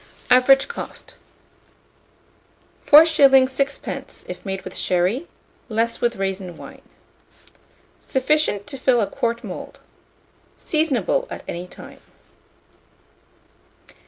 Average cost, 4s. 6d., if made with sherry; less with raisin wine. Sufficient to fill a quart mould. Seasonable at any time.